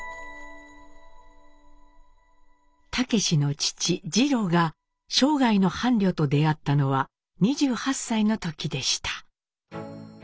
武司の父二朗が生涯の伴侶と出会ったのは２８歳の時でした。